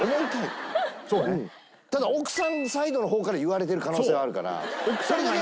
ただ奥さんサイドの方から言われてる可能性はあるから。